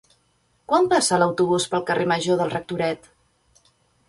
Quan passa l'autobús pel carrer Major del Rectoret?